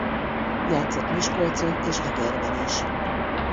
Játszott Miskolcon és Egerben is.